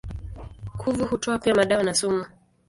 Kuvu hutoa pia madawa na sumu.